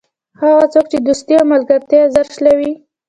هغه څوک چې دوستي او ملګرتیا ژر شلوي.